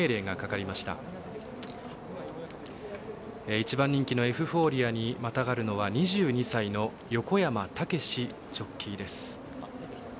１番人気のエフフォーリアにまたがるのは、２２歳の横山武史ジョッキーです。